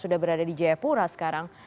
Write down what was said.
sudah berada di jayapura sekarang